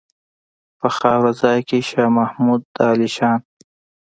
په خاورو ځای کا شاه محمود د عالیشان.